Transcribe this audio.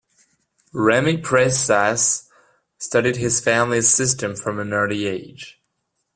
Remy Presas studied his family's system from an early age.